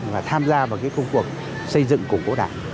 và tham gia vào cái công cuộc xây dựng củng cố đảng